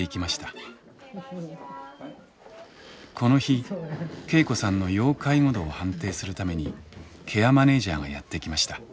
この日恵子さんの要介護度を判定するためにケアマネージャーがやって来ました。